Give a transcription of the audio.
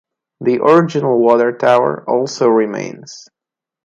The original water tower also remains.